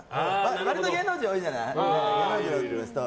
割と芸能人、多いじゃない？